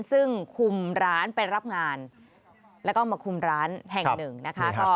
ซึ่งคุมร้านไปรับงานแล้วก็มาคุมร้านแห่งหนึ่งนะคะ